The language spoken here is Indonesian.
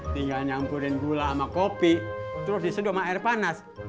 tinggal nyampulin gula sama kopi terus disedok ama air panas